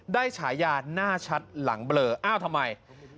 ฉายาหน้าชัดหลังเบลออ้าวทำไม